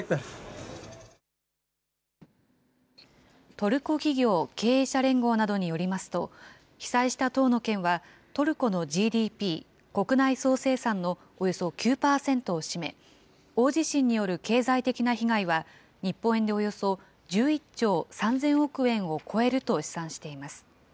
トルコ企業・経営者連合などによりますと、被災した１０の県は、トルコのＧＤＰ・国内総生産のおよそ９％を占め、大地震による経済的な被害は日本円でおよそ１１兆３０００億円を超えると試算しています。